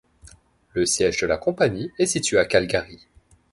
Le siège de la compagnie est situé à Calgary.